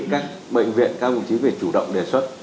các bệnh viện các bộ phận chức phải chủ động đề xuất